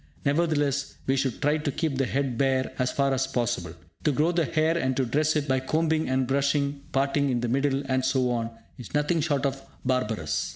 Nevertheless we should try to keep the head bare as far as possible. To grow the hair, and to dress it by combing and brushing, parting in the middle and so on, is nothing short of barbarous.